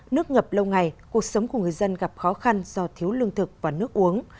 nước ngập lâu ngày cuộc sống của người dân gặp khó khăn do thiếu lương thực và nước uống